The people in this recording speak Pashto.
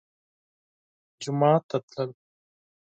جومات ته تلل